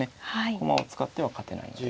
駒を使っては勝てないので。